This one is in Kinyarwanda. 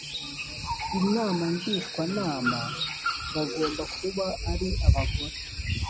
inama ngishwanama bagomba kuba ari abagore